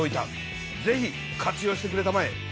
ぜひ活用してくれたまえ！